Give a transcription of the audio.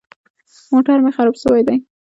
موټر مې خراب سوى و.